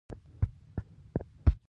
کاناډا له اروپا سره تجارت کوي.